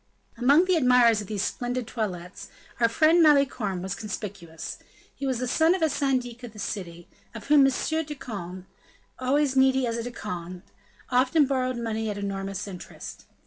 Among the admirers of these splendid toilettes, our friend Malicorne was conspicuous; he was the son of a syndic of the city, of whom M. de Conde, always needy as a De Conde, often borrowed money at enormous interest.